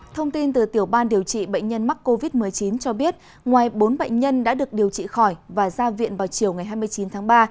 thông tin từ tiểu ban điều trị bệnh nhân mắc covid một mươi chín cho biết ngoài bốn bệnh nhân đã được điều trị khỏi và ra viện vào chiều ngày hai mươi chín tháng ba